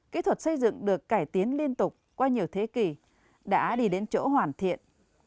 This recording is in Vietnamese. kỹ thuật xây dựng được cải tiến liên tục qua nhiều thế kỷ đã đi đến chỗ hoàn thiện